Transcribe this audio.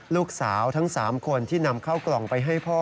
ลูกสาวทั้ง๓คนที่นำเข้ากล่องไปให้พ่อ